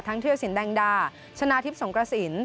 เทียรสินแดงดาชนะทิพย์สงกระสิน